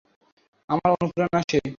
আমার অনুপ্রেরণা সে।